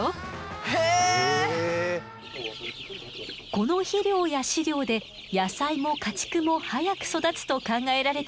この肥料や飼料で野菜も家畜も早く育つと考えられているわ。